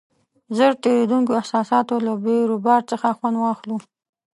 ژر تېرېدونکو احساساتو له بیروبار څخه خوند واخلو.